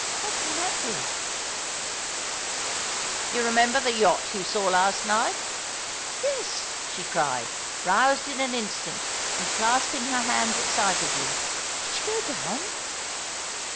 " What can that be ?"" You remember the yacht you saw last night ?"" Yes," she cried, roused in an instant, and clasping her hands excitedly. " Did she go down